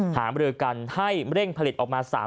หามเรือกันให้เร่งผลิตออกมา